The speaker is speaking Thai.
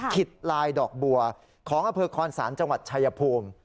ลายดอกบัวของอำเภอคอนศาลจังหวัดชายภูมิ